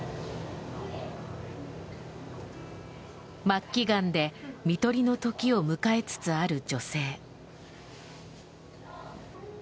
末期がんで看取りの時を迎えつつある女性。